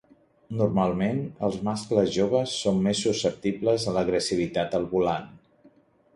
Normalment, els mascles joves són més susceptibles a l'agressivitat al volant.